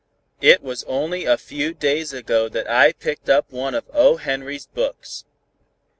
It was only a few days ago that I picked up one of O. Henry's books.